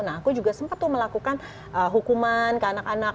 nah aku juga sempat tuh melakukan hukuman ke anak anak